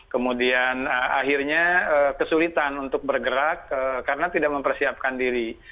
kemudian akhirnya kesulitan untuk bergerak karena tidak mempersiapkan diri